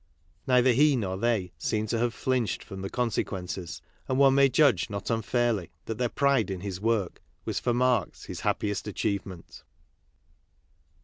Neither he nor they seemed to have flinched from the consequences, and one may judge not unfairly that their pride in his work was for Marx his happiest achievement.